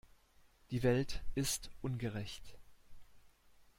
Die Welt ist ungerecht.